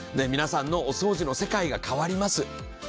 皆さんのお掃除の世界が変わります。